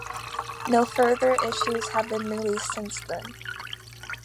No further issues have been released since then.